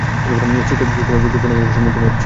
সিস্টেমে প্রচুর প্রতিবন্ধকতার সম্মুখীন হচ্ছি!